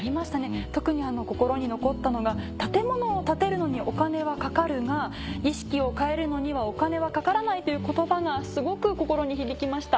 特に心に残ったのが建物を建てるのにお金はかかるが意識を変えるのにはお金はかからないという言葉がすごく心に響きました。